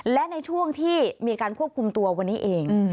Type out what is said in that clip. และในช่วงที่มีการควบคุมตัววันนี้เอง